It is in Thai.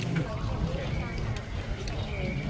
ขอบคุณมากขอบคุณค่ะ